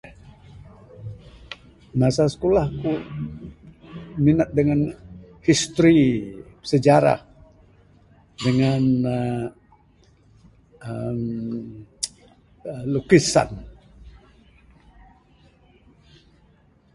Masa sekulah ku, minat dengan history, sejarah dengan uhh, uhh... lukisan.